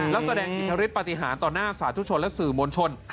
แล้วแสดงอินทริปฏิหารต่อหน้าศาสตร์ทุกชนและสื่อมลชน